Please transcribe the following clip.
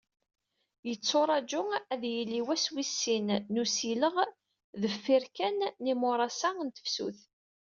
Yetturaǧu ad yili wass wis sin n usileɣ deffir kan n yimuras-a n tefsut.